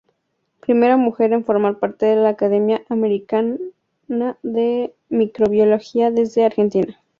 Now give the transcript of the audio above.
Primera mujer en formar parte de la Academia Americana de Microbiología desde Argentina.